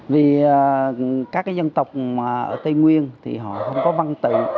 vì các dân tộc ở tây nguyên thì họ không có văn tự